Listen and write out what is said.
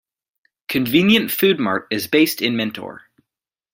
Convenient Food Mart is based in Mentor.